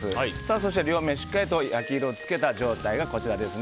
そして、両面しっかりと焼き色を付けた状態がこちらです。